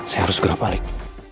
saya harus segera balik